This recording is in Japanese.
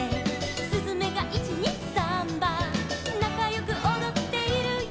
「すずめが１・２・サンバ」「なかよくおどっているよ」